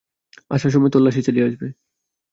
আসার সময় তল্লাশি চালিয়ে আসবে।